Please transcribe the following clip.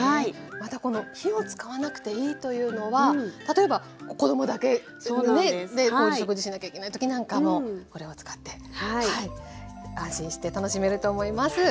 またこの火を使わなくていいというのは例えば子どもだけで食事しなきゃいけない時なんかもこれを使って安心して楽しめると思います。